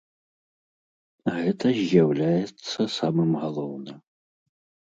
Гэта з'яўляецца самым галоўным.